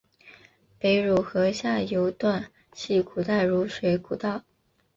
北汝河下游段系古代汝水故道。